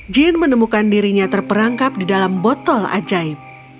jin menemukan dirinya terperangkap di dalam botol ajaib